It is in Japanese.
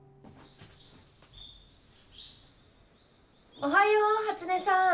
おはよう初音さん。